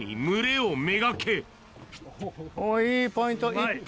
おお、いいポイント。